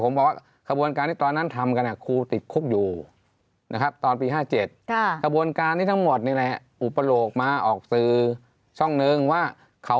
ผมไม่ได้เก่าหาครูแต่ผมบอกว่า